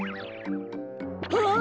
あっ？